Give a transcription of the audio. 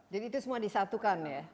jadi itu semua disatukan ya